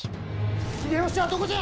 秀吉はどこじゃ！